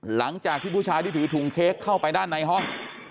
หลังจากที่ผู้ชายที่ถือถุงเค้กเข้าไปด้านในห้อง